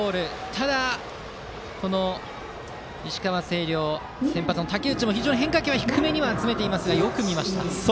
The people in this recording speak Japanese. ただ、石川・星稜先発の武内も非常に変化球は低めに集めていますがよく見ました。